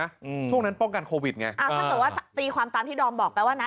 อืมช่วงนั้นป้องกันโควิดไงอ่าถ้าเกิดว่าตีความตามที่ดอมบอกไปว่านะ